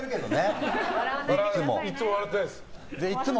いつも笑ってないです。